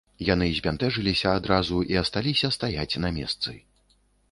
Яны збянтэжыліся адразу і асталіся стаяць на месцы.